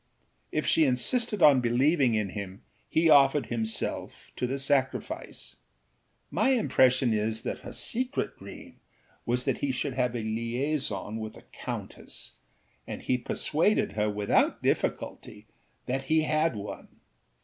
If she insisted on believing in him he offered himself to the sacrifice. My impression is that her secret dream was that he should have a liaison with a countess, and he persuaded her without difficulty that he had one.